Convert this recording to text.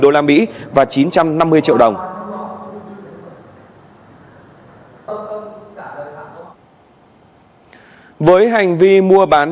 với hành vi mua bán trái phép hữu đặt vấn đề buôn lậu xăng